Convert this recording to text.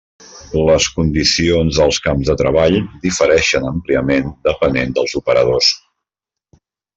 Les condicions als camps de treball difereixen àmpliament depenent dels operadors.